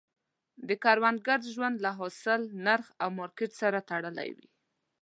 د کروندګر ژوند له حاصل، نرخ او مارکیټ سره تړلی وي.